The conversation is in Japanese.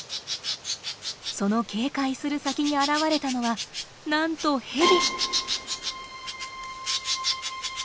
その警戒する先に現れたのはなんとヘビ！